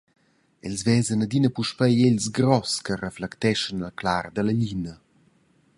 Els vesan adina puspei egls gross che reflecteschan el clar dalla glina.